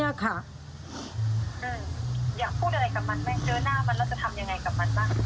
อยากพูดอะไรกับมันไหมเจอหน้ามันแล้วจะทำยังไงกับมันบ้าง